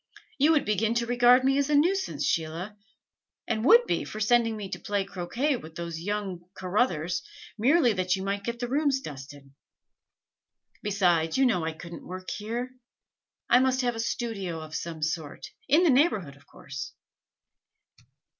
You would begin to regard me as a nuisance, Sheila, and would be for sending me to play croquet with those young Carruthers, merely that you might get the rooms dusted. Besides, you know I couldn't work here: I must have a studio of some sort in the neighborhood, of course.